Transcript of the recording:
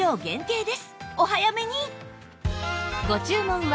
お早めに！